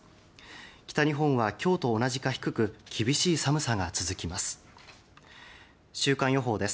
北日本は、今日と同じか低く厳しい寒さが続きます。